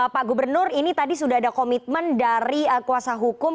pak gubernur ini tadi sudah ada komitmen dari kuasa hukum